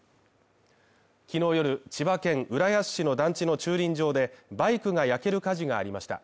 昨日夜、千葉県浦安市の団地の駐輪場でバイクが焼ける火事がありました。